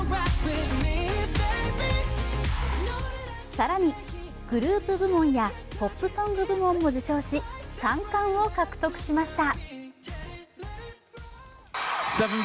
更にグループ部門やポップソング部門も受賞し、３冠を獲得しました。